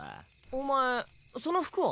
お前その服は？